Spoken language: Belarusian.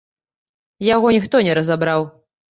Яго ніхто не разабраў.